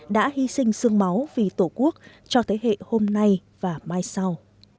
đã hy sinh sương máu vì tổ quốc cho thế hệ hôm nay và mai sau